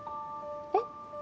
えっ？